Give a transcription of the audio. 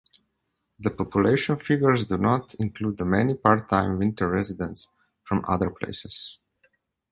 The population figures do not include the many part-time winter residents from other places.